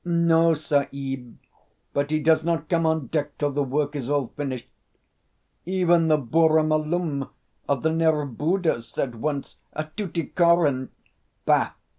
"No, Sahib; but he does not come on deck till the work is all finished. Even the Burra Malum of the Nerbudda said once at Tuticorin " "Bah!